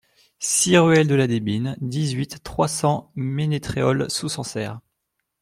six ruelle de la Debine, dix-huit, trois cents, Ménétréol-sous-Sancerre